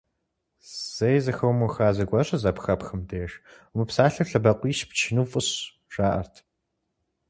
Зэи зэхыумыха зыгуэр щызэхэпхым деж, умыпсалъэу лъэбакъуищ пчыну фӀыщ, жаӀэрт.